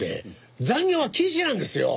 残業は禁止なんですよ！